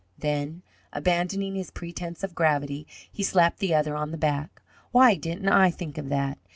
Then, abandoning his pretense of gravity, he slapped the other on the back. "Why didn't I think of that?